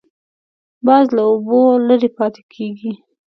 باز له اوبو لرې پاتې کېږي